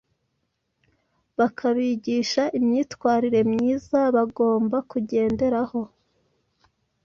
bakabigisha imyitwarire myiza bagomba kugenderaho.